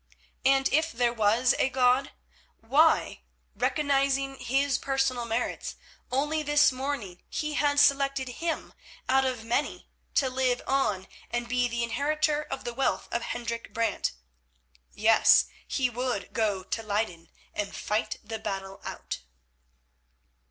And if there was a God, why, recognising his personal merits, only this morning He had selected him out of many to live on and be the inheritor of the wealth of Hendrik Brant. Yes, he would go to Leyden and fight the battle out.